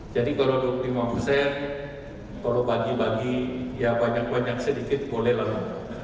jadi kalau dua puluh lima persen kalau bagi bagi ya banyak banyak sedikit boleh lalu